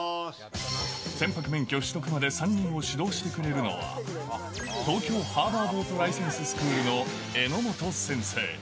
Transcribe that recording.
船舶免許取得まで、３人を指導してくれるのは、東京ハーバーボートライセンススクールの榎本先生。